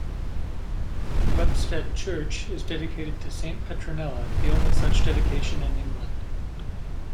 Whepstead Church is dedicated to Saint Petronilla the only such dedication in England.